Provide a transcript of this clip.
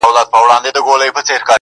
د تورو شپو په توره دربه کي به ځان وسوځم.